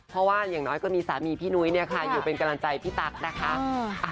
เพราะว่าอย่างน้อยก็มีสามีพี่นุ้ยเนี่ยค่ะอยู่เป็นกำลังใจพี่ตั๊กนะคะ